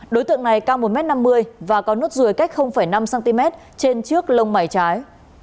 đối tượng này cao một m năm mươi và có nốt ruồi cách năm cm trên trước lông mày trái